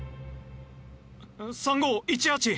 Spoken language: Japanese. ３５１８！